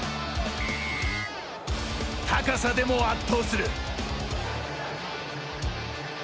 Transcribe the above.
高さでも圧倒する。